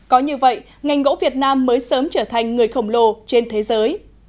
có như vậy ngành gỗ việt nam mới sớm trở thành người khổng lồ trên thế giới